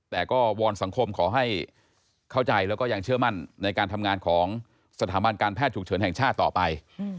แต่ก็วอนสังคมขอให้เข้าใจแล้วก็ยังเชื่อมั่นในการทำงานของสถาบันการแพทย์ฉุกเฉินแห่งชาติต่อไป